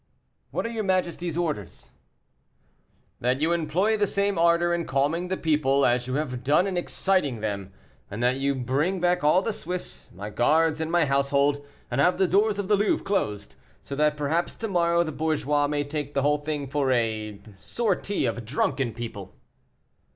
"What are your majesty's orders?" "That you employ the same ardor in calming the people as you have done in exciting them, and that you bring back all the Swiss, my guards, and my household, and have the doors of the Louvre closed, so that perhaps tomorrow the bourgeois may take the whole thing for a sortie of drunken people."